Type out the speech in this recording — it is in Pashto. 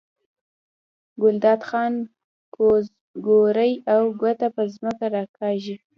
ګلداد خان کوز ګوري او ګوته په ځمکه راکاږي.